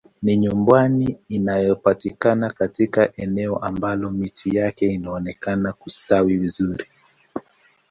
Ni nyumba inayopatikana katika eneo ambalo miti yake inaonekana kustawi vizuri